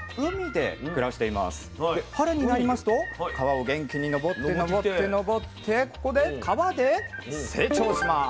で春になりますと川を元気に上って上って上ってここで川で成長します。